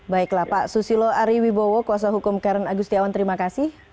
baiklah pak susilo ariwibowo kuasa hukum karen agustiawan terima kasih